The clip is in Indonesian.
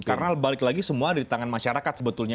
karena balik lagi semua di tangan masyarakat sebetulnya